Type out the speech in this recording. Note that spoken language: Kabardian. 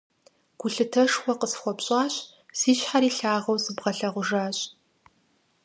Гулъытэшхуэ къысхуэпщӀащ, си щхьэри лъагэу сыбгъэлъэгъужащ.